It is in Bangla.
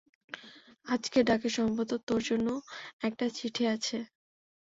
আজকের ডাকে, সম্ভবত, তোর জন্যে ও একটা চিঠি আছে।